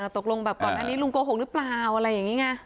ตกลงแบบก่อนอันนี้ลุงโกหกหรือเปล่าอะไรอย่างนี้ไง